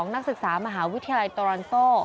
นักศึกษามหาวิทยาลัยโตรอนโซ